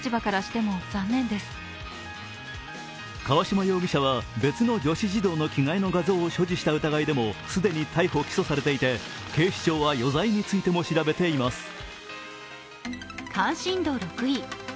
河嶌容疑者は別の女子児童の着替えの画像を所持した疑いでも既に逮捕・起訴されていて警視庁は余罪についても調べています。